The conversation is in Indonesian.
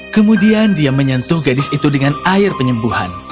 kemudian dia menyentuh gadis itu dengan air penyembuhan